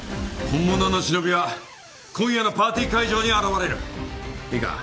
本物のシノビは今夜のパーティー会場に現れるいいか